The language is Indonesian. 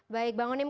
baik bang unim